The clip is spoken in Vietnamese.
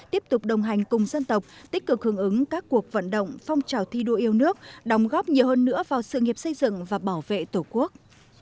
tiếp tục đồng hành cùng dân tộc tích cực hướng ứng các cuộc vận động phong trào thi đua yêu nước đóng góp nhiều hơn nữa vào sự nghiệp xây dựng và bảo vệ tổ quốc